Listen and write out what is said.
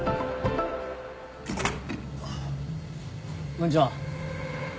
こんにちは。